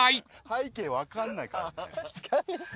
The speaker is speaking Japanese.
背景分かんないからね。